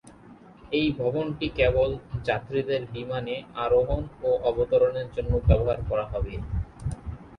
এই ভবনটি কেবল যাত্রীদের বিমানে আরোহণ ও অবতরণের জন্য ব্যবহার করা হবে।